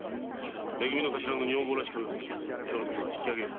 め組の頭の女房らしく今日は引きあげよう。